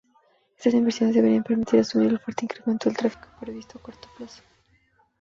Estas inversiones deberían permitir asumir el fuerte incremento de tráfico previsto a corto plazo.